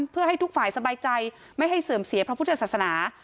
เพื่อให้ทุกฝ่ายสบายใจไม่ให้เสื่อมเสียพระพุทธศาสนา